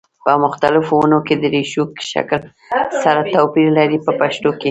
په مختلفو ونو کې د ریښو شکل سره توپیر لري په پښتو کې.